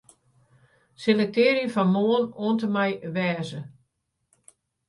Selektearje fan 'Moarn' oant en mei 'wêze'.